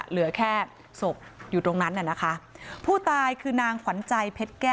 เหลือแค่ศพอยู่ตรงนั้นหน่อยนะคะผู้ตายคือนางขวัญใจ